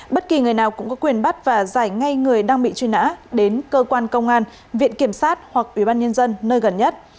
bất kỳ người nào cũng có quyền bắt và giải ngay người đang bị truy nã đến cơ quan công an viện kiểm sát hoặc ủy ban nhân dân nơi gần nhất